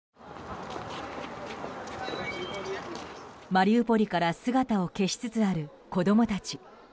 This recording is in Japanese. マリウポリから姿を消しつつある子供たち。